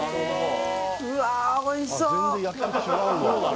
うわあおいしそう！